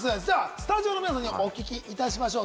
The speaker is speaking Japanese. スタジオの皆さんにもお聞きしましょう。